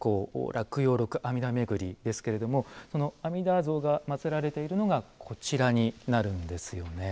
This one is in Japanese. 洛陽六阿弥陀巡りですけれどもその阿弥陀像が祭られているのがこちらになるんですよね。